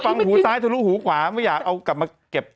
ขอฟังหูซ้ายแบบฆลกูขวาหมึ่งอยากเอากลับมาเก็บ